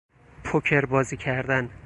پوکر بازی کردن